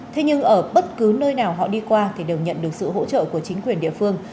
thế nhưng ở bất cứ nơi nào họ đi qua thì đều nhận được sự hỗ trợ của chính quyền địa phương